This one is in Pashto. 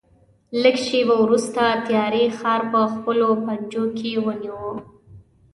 لږ شېبه وروسته تیارې ښار په خپلو پنجو کې ونیو.